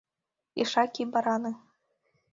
Ишаки Бараны!